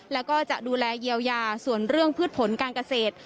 แล้วก็จะดูแลเยียวยาส่วนเรื่องพืชผลการเกษตร